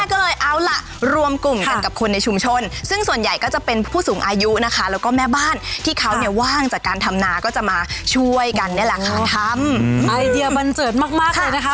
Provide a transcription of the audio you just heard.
ก็จะมาช่วยกันเนี่ยแหละค่ะทำอืมไอเดียบันเจิดมากมากเลยนะคะ